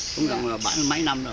cũng gần là bảy mấy năm rồi